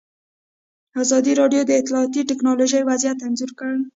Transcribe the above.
ازادي راډیو د اطلاعاتی تکنالوژي وضعیت انځور کړی.